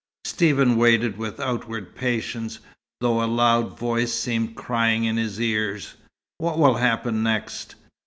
Stephen waited with outward patience, though a loud voice seemed crying in his ears, "What will happen next?